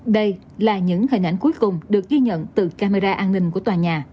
đây là những hình ảnh cuối cùng được ghi nhận từ camera an ninh của tòa nhà